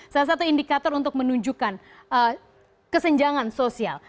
salah satu indikator untuk menunjukkan kesenjangan sosial